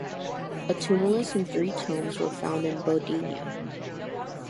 A tumulus and three tombs were found in Bodinio.